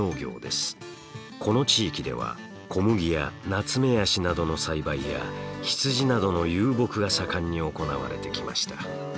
この地域では小麦やナツメヤシなどの栽培や羊などの遊牧が盛んに行われてきました。